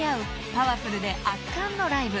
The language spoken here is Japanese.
パワフルで圧巻のライブ］